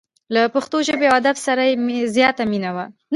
له پښتو ژبې او ادب سره یې زیاته مینه وه.